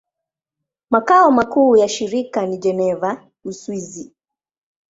Makao makuu ya shirika ni Geneva, Uswisi.